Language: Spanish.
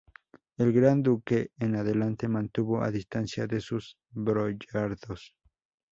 El gran duque en adelante mantuvo a distancia de sus boyardos.